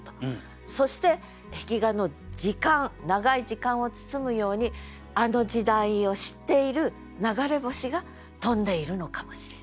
そして壁画の時間長い時間を包むようにあの時代を知っている流れ星が飛んでいるのかもしれない。